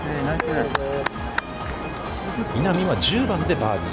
稲見は１０番でバーディー。